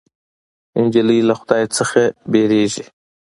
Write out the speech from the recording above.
نجلۍ له خدای نه وېرېږي.